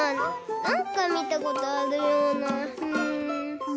なんかみたことあるようなうん。